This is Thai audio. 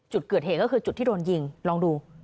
จุดเกิดเหตุก็คือจุดที่โดนยิงลองดู